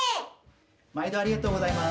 まいどありがとうございます。